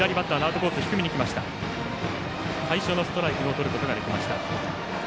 最初のストライクをとることができました。